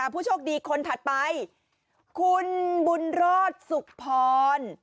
ผู้โชคดีคนถัดไปคุณบุญรอดสุขพร